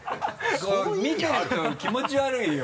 見てる人気持ち悪いよ。